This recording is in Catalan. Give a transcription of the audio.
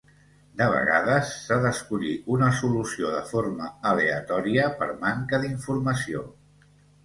De vegades s'ha d'escollir una solució de forma aleatòria per manca d'informació.